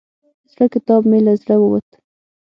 زړه کتاب مې له زړه ووت.